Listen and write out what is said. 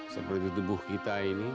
seperti tubuh kita ini